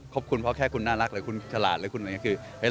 ครบคุณเพราะแค่คุณน่ารักคุณขลาดคุณอะไรอย่างนี้